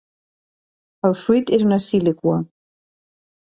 El fruit és una síliqua.